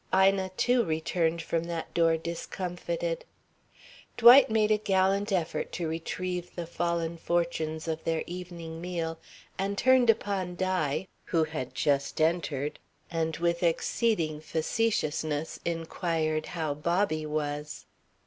Ina, too, returned from that door discomfited. Dwight made a gallant effort to retrieve the fallen fortunes of their evening meal, and turned upon Di, who had just entered, and with exceeding facetiousness inquired how Bobby was.